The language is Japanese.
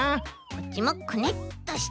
こっちもくねっとして。